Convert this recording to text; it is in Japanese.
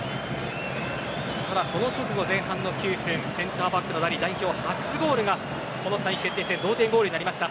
ただ、その直後前半９分センターバックのダリの代表初ゴールが同点ゴールになりました。